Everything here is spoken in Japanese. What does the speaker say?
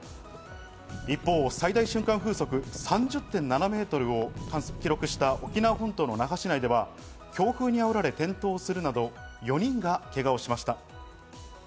一方、最大瞬間風速３０．７メートルを記録した沖縄本島の那覇市内では強風にあおられ転倒するなど４人がけがをしました。